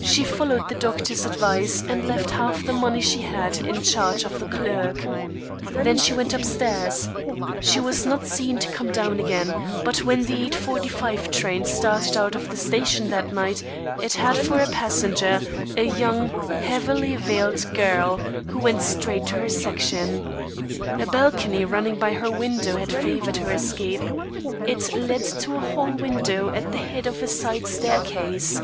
She followed the doctor's advice and left half the money she had, in charge of the clerk. Then she went upstairs. She was not seen to come down again; but when the eight forty five train started out of the station that night, it had for a passenger, a young, heavily veiled girl, who went straight to her section. A balcony running by her window had favoured her escape. It led to a hall window at the head of a side staircase.